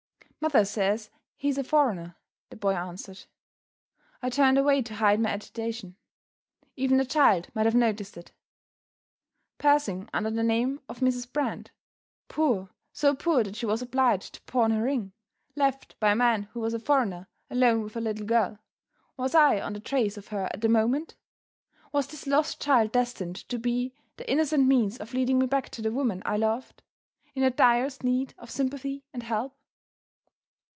"Mother says he's a foreigner," the boy answered. I turned away to hide my agitation. Even the child might have noticed it! Passing under the name of "Mrs. Brand" poor, so poor that she was obliged to pawn her ring left, by a man who was a foreigner, alone with her little girl was I on the trace of her at that moment? Was this lost child destined to be the innocent means of leading me back to the woman I loved, in her direst need of sympathy and help?